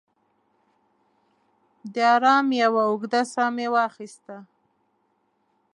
د ارام یوه اوږده ساه مې واخیسته.